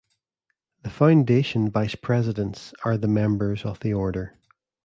The foundation vice presidents are the members of the order.